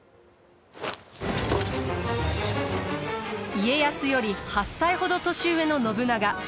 家康より８歳ほど年上の信長。